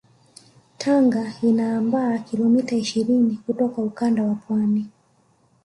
Tanga inaambaa kilomita ishirini kutoka ukanda wa pwani